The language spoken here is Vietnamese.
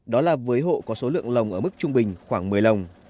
đó là với hộ có số lượng lồng ở mức trung bình khoảng một mươi lồng